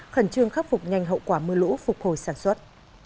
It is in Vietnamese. khẩn trương khắc phục nhanh hậu quả mưa lũ phục hồi sản xuất